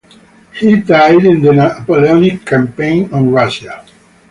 He died in the Napoleonic campaign on Russia.